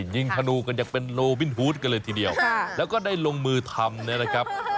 ยิงธนูกันอย่างเป็นโลบินฮูดกันเลยทีเดียวแล้วก็ได้ลงมือทำเนี่ยนะครับ